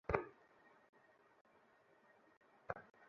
ফেরেশতাগণ তাকে ধরে সঙ্গে করে আকাশে নিয়ে যান এবং সে সেখানেই রয়ে যায়।